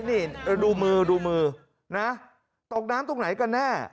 นี่ดูมือตกน้ำตรงไหนก็แน่